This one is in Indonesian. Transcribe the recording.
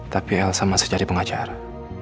tapi elsa masih jadi pengacara